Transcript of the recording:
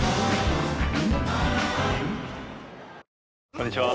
こんにちは。